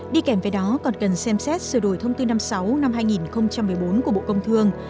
đi kèm với đó còn cần xem xét sửa đổi thông tư năm mươi sáu năm hai nghìn một mươi bốn của bộ công thương